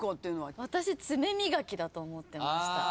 私爪磨きだと思ってました。